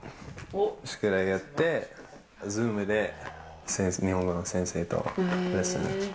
宿題やって、Ｚｏｏｍで日本語の先生とレッスン。